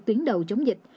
tuyến đầu chống dịch